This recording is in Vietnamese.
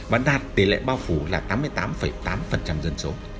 và đạt tỷ lệ bao phủ là tám mươi tám tám dân số